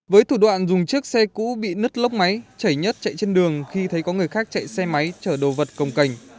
với thủ đoạn dùng chiếc xe cũ bị nứt lốc máy chảy nhất chạy trên đường khi thấy có người khác chạy xe máy chở đồ vật công cành